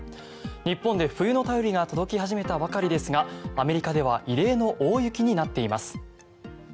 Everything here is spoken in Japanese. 日本で冬の便りが届き始めたばかりですがアメリカでは異例の大雪になっています。